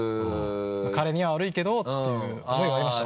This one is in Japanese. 彼には悪いけどっていう思いはありました。